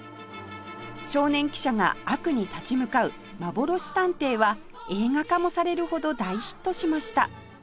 少年記者が悪に立ち向かう『まぼろし探偵』は映画化もされるほど大ヒットしました